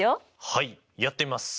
はいやってみます。